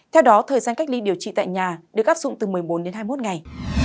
theo đó thời gian cách ly điều trị tại nhà được áp dụng từ một mươi bốn đến hai mươi một ngày